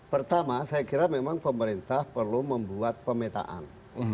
pertama saya kira memang pemerintah perlu membuat pemetaan